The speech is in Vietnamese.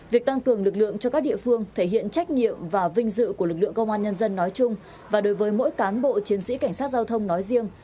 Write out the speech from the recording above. việc tăng cường lực lượng cho các địa phương thể hiện trách nhiệm và vinh dự của lực lượng công an nhân dân nói chung và đối với mỗi cán bộ chiến sĩ cảnh sát giao thông nói riêng